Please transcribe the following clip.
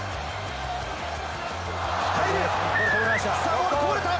ボール、こぼれた！